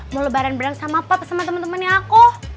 mau lebaran bareng sama pap sama temen temennya aku